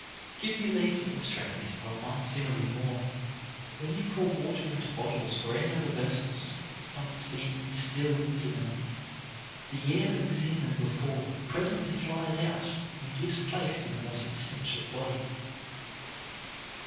Give me leave to illustrate this by one simile more. When you pour water into bottles or any other vessels, upon its being instilled into them, the air that was in them before presently flies out and gives place to the more sub stantial body.